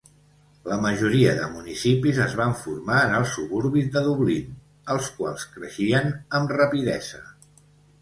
La majoria de municipis es van formar en els suburbis de Dublín, els quals creixien amb rapidesa.